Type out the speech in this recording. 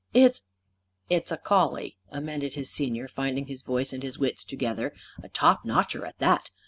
"It's " "It's a collie," amended his senior, finding his voice, and his wits together. "A top notcher, at that.